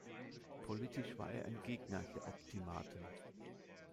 Politisch war er ein Gegner der Optimaten.